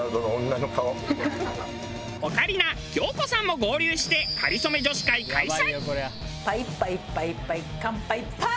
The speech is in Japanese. オカリナ京子さんも合流して『かりそめ』女子会開催！